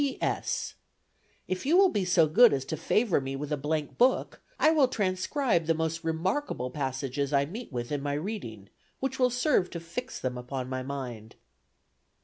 "P. S. If you will be so good as to favor me with a blank book, I will transcribe the most remarkable passages I meet with in my reading, which will serve to fix them upon my mind."